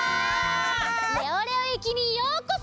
レオレオ駅にようこそ！